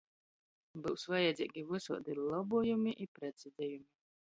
Byus vajadzeigi vysaidi lobuojumi i preciziejumi.